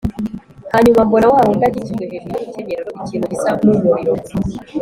Hanyuma mbona wa wundi akikijwe hejuru y’urukenyerero n’ikintu gisa n’umuriro